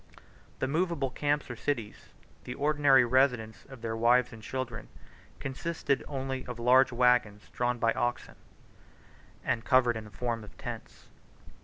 The movable camps or cities, the ordinary residence of their wives and children, consisted only of large wagons drawn by oxen, and covered in the form of tents.